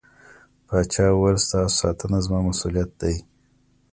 پاچا وويل: ستاسو ساتنه زما مسووليت دى.